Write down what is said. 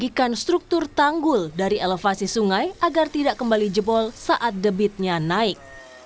menyediakan struktur tanggul dari elevasi sungai agar tidak kembali jebol saat debitnya naik